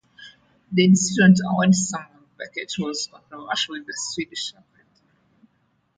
The decision to award Samuel Beckett was controversial within the Swedish Academy.